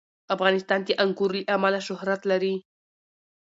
افغانستان د انګور له امله شهرت لري.